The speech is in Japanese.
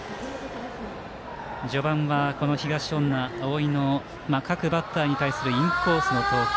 序盤は東恩納蒼の各バッターに対するインコースの投球。